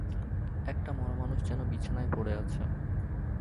একটা মরা মানুষ যেন বিছানায় পড়ে আছে।